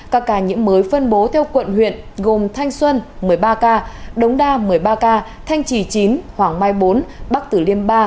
các ca nhiễm mới phân bố theo quận huyện gồm thanh xuân một mươi ba ca đống đa một mươi ba ca thanh trì chín hoàng mai bốn bắc tử liêm ba